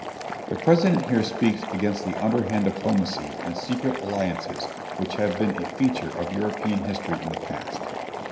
_ The President here speaks against the underhand diplomacy and secret alliances which have been a feature of European history in the past.